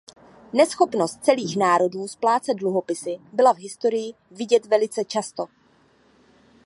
Neschopnost celých národů splácet dluhopisy byla v historii vidět velice často.